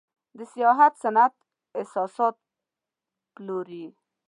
د سیاحت صنعت احساسات پلوري.